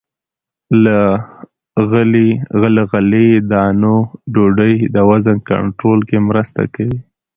له غلې- دانو ډوډۍ د وزن کنټرول کې مرسته کوي.